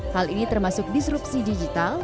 hal ini termasuk disrupsi digital